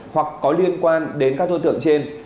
hoặc có liên quan đến các đối tượng trên